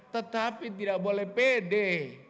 tetapi tidak boleh pede